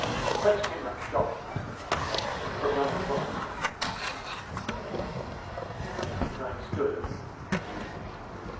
"Whence came that shot?" asked the knight. "From yonder clump, Sir Daniel," returned a sentinel. The knight stood a little, musing.